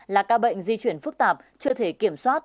là ca bệnh di chuyển phức tạp chưa thể kiểm soát